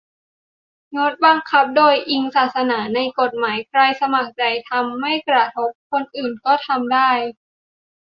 - งดบังคับโดยอิงศาสนาในกฎหมาย ใครสมัครใจทำ-ไม่กระทบคนอื่น ก็ทำได้